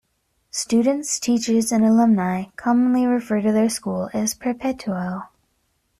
Students, teachers and alumni commonly refer to their school as Perpetuo.